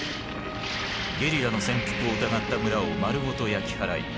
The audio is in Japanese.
ゲリラの潜伏を疑った村を丸ごと焼き払い